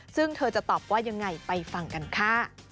ซึ่งเธอจะตอบว่ายังไงไปฟังกันค่ะ